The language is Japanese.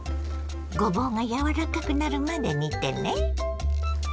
ごぼうが柔らかくなるまで煮てね。